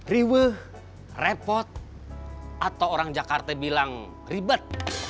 riweh repot atau orang jakarta bilang ribet